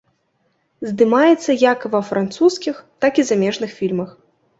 Здымаецца як ва французскіх, так і замежных фільмах.